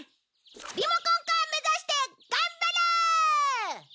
リモコンカー目指して頑張ろう！